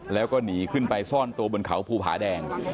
แล้วก็หนีขึ้นไปซ่อนตัวบนเขาภูผาแดง